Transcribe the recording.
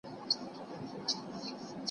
په یوه لیک کې یې انګلیسانو ته ګواښ وکړ.